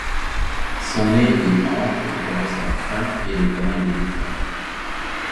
Son nez est ample tout en restant fin, élégant et délicat.